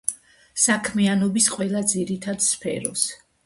იგი აშუქებს ცოდნისა და პრაქტიკული საქმიანობის ყველა ძირითად სფეროს.